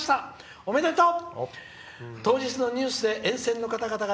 おめでとう！